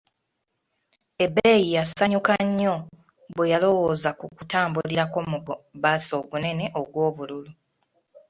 Ebei yasanyuka nnyo bwe yalowooza ku kutambulirako mu gu baasi ogunene ogw'obululu.